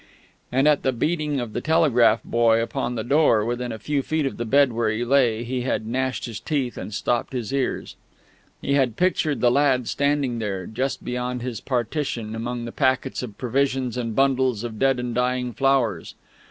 And at the beating of the telegraph boy upon the door, within a few feet of the bed where he lay, he had gnashed his teeth and stopped his ears. He had pictured the lad standing there, just beyond his partition, among packets of provisions and bundles of dead and dying flowers.